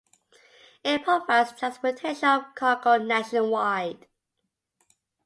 It provides transportation of cargo nationwide.